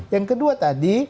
yang kedua tadi